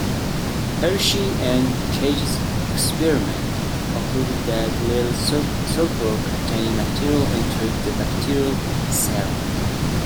Hershey and Chase's experiment concluded that little sulfur containing material entered the bacterial cell.